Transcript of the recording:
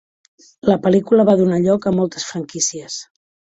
La pel·lícula va donar lloc a moltes franquícies.